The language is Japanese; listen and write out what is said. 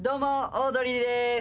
オードリーです！